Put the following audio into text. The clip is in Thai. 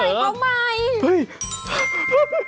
ของใหม่ของใหม่